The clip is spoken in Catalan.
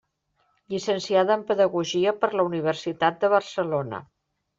Llicenciada en Pedagogia per la Universitat de Barcelona.